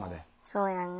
そうやね